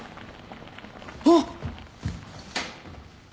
あっ！